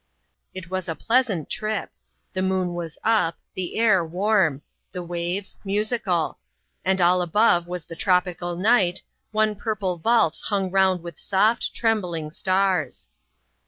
It was a pleasant trip. The moon was up — the air, warm — the waves, musical — and all above was the tropical night, one purple vault hung round with soft, trembling stars.